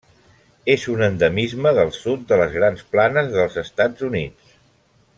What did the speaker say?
És un endemisme del sud de les Grans planes dels Estats Units.